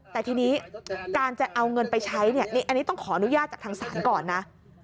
แต่ทีนี้การจะเอาเงินไปใช้เนี่ยอันนี้ต้องขออนุญาตจากทางศาลก่อนนะ